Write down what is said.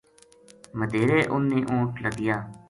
مدیہرے انھ نے اونٹھ لدیا